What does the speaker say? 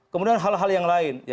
kemudian hal hal yang lain